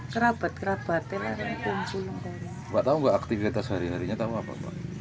kerabat kerabat ya kan pimpin banget nggak tahu gak aktivitas hari harinya tahu apa orang ngerti